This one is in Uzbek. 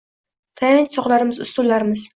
Tayanch tog‘larimiz, ustunlarimiz